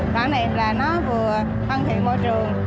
thảo niệm là nó vừa thân thiện môi trường